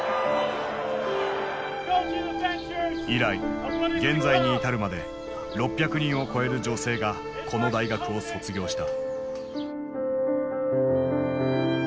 以来現在に至るまで６００人を超える女性がこの大学を卒業した。